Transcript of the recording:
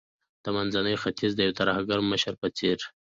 د منځني ختیځ د یو ترهګر مشر په څیر